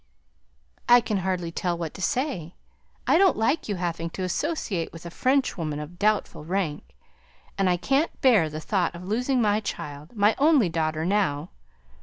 "I can hardly tell what to say, I don't like your having to associate with a Frenchwoman of doubtful rank; and I can't bear the thought of losing my child my only daughter now.